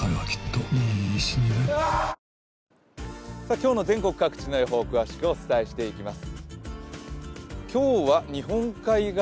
今日の全国各地の予報詳しくお伝えしていきます。